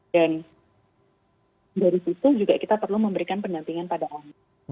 dan dari situ juga kita perlu memberikan pendampingan pada orang lain